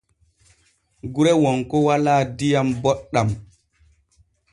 Gure Wonko walaa diyam booɗam.